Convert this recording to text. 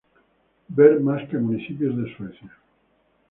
Ver más Municipios de Suecia.